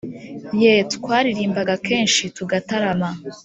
Yeee twaririmbaga kenshi tugatarama